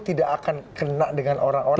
tidak akan kena dengan orang orang